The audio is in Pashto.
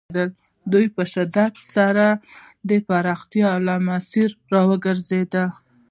دوی په شدت سره د پراختیا له مسیره را وګرځول.